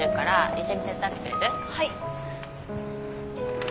はい。